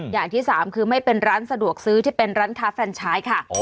อย่างที่สามคือไม่เป็นร้านสะดวกซื้อที่เป็นร้านค้าแฟนชายค่ะ